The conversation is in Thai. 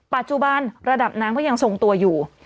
ปัจจุบันระดับน้ำก็ยังทรงตัวอยู่